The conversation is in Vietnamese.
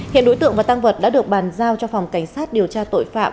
hiện đối tượng và tăng vật đã được bàn giao cho phòng cảnh sát điều tra tội phạm